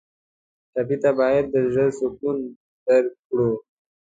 ټپي ته باید د زړه سکون درکړو.